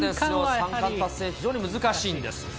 三冠達成は非常に難しいんです。